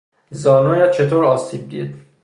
زانویت چطور آسیب دید؟